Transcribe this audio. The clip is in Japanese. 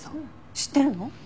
知ってるの？